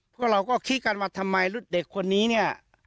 พวกเราก็คิดกันว่าทำไมเด็กคนนี้เนี่ย